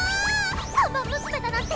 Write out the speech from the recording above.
看板娘だなんて